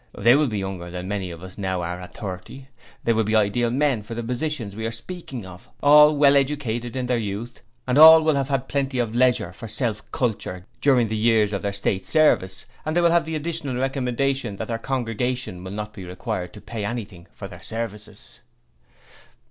They will be younger than many of us now are at thirty; they will be ideal men for the positions we are speaking of. All well educated in their youth, and all will have had plenty of leisure for self culture during the years of their State service and they will have the additional recommendation that their congregation will not be required to pay anything for their services.